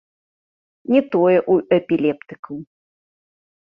Не тое ў эпілептыкаў.